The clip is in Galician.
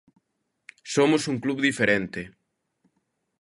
Somos un club diferente.